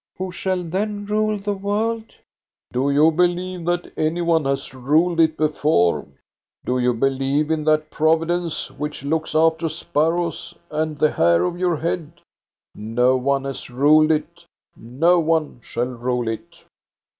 " Who shall then rule the world ?"" Do you believe that any one has ruled it before? 400 THE STORY OF GOSTA BERLING Do you believe in that Providence which looks after sparrows and the hair of your head? No one has ruled it, no one shall rule it."